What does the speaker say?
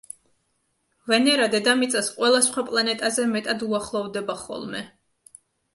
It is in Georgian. ვენერა დედამიწას ყველა სხვა პლანეტაზე მეტად უახლოვდება ხოლმე.